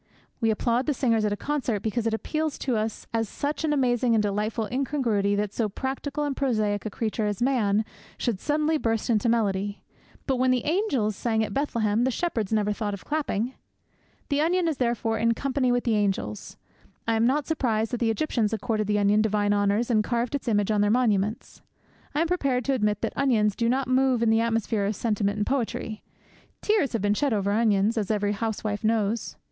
We applaud the singers at a concert because it appeals to us as such an amazing and delightful incongruity that so practical and prosaic a creature as Man should suddenly burst into melody; but when the angels sang at Bethlehem the shepherds never thought of clapping. The onion is therefore in company with the angels. I am not surprised that the Egyptians accorded the onion divine honours and carved its image on their monuments. I am prepared to admit that onions do not move in the atmosphere of sentiment and of poetry. Tears have been shed over onions, as every housewife knows.